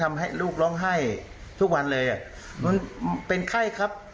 มีเขียวตรงหน้าน่ะครับผมครับ